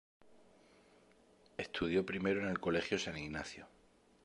Estudió primero en el Colegio San Ignacio.